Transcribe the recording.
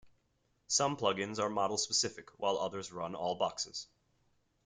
Some plugins are model specific, while others run all boxes.